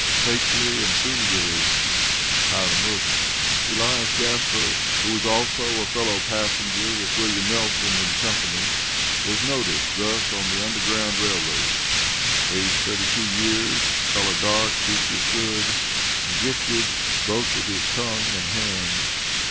Faithfully and truly yours, HIRAM WILSON. Elias Jasper, who was also a fellow passenger with Wm. Nelson and Co., was noticed thus on the Underground Rail Road: Age thirty two years, color dark, features good, and gifted both with his tongue and hands.